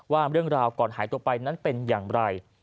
ว่าเรื่องราวก่อนหายตัวไปนั้นเป็นอย่างไร